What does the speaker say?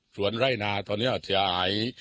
ส่วนไร่นาตอนนี้เสียหาย